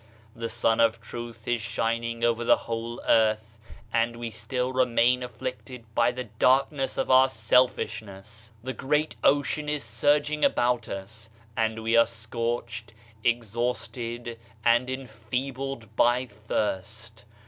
The Sun of Truth is shining over the whole earth, and we still remain afflicted by the darkness of our selfishness. The great Ocean is surging 60 Digitized by Google OF CIVILIZATION about as, and we are scorched, exhausted and en feebled by thirst.